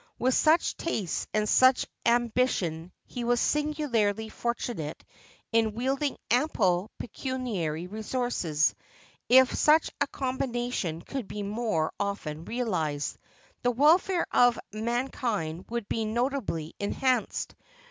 With such tastes and such ambi tion, he was singularly fortunate in wielding ample pecu niary resources; if such a combination could be more often realized, the welfare of mankind would be notably enhanced.